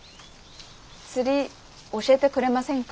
釣り教えてくれませんか？